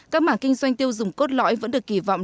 các mảng kinh doanh tiêu dùng cốt lõi vẫn được kỳ vọng